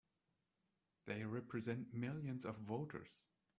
They represent millions of voters!